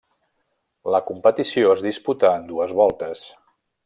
La competició es disputà en dues voltes.